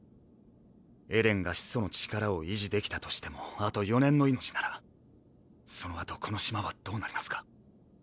エレンが始祖の力を維持できたとしてもあと４年の命ならその後この島はどうなりますか？